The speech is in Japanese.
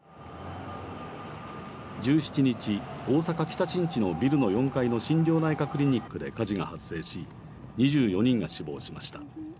１７日、大阪・北新地のビル４階の心療内科クリニックで火事が発生し２４人が死亡しました。